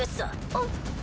あっ。